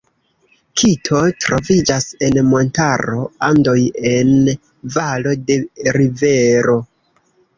Kito troviĝas en montaro Andoj en valo de rivero.